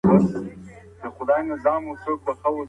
ټولنیز نظام د یووالي په اساس ولاړ دی.